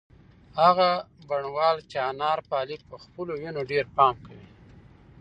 هغه بڼوال چې انار پالي په خپلو ونو ډېر پام کوي.